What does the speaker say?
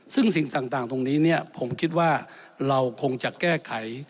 ซึ่งสิ่งต่างตรงนี้เนี่ยผมคิดว่าเราคงจะแก้ไข